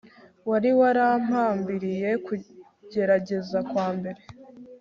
wari warampambiriye kugerageza kwambere